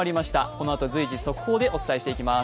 このあと随時、速報でお伝えしていきます。